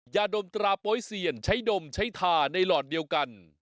ยาดมตราโป๊ยเซียนใช้ดมใช้ทาในหลอดเดียวกัน